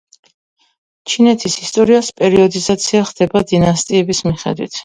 ჩინეთის ისტორიის პერიოდიზაცია ხდება დინასტიების მიხედვით.